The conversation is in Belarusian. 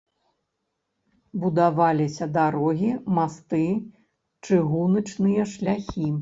Будаваліся дарогі, масты, чыгуначныя шляхі.